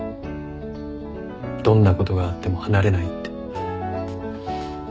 どんなことがあっても離れないって。